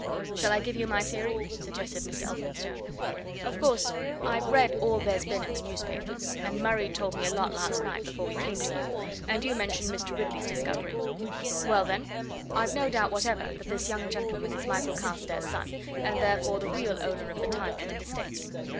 "Shall I give you my theory?" suggested Mr. Elphinstone. "Of course, I've read all there's been in the newspapers, and Murray told me a lot last night before we came to you, and you mentioned Mr. Ridley's discovery, well, then, I've no doubt whatever that this young gentleman is Michael Carstairs' son, and therefore the real owner of the title and estates!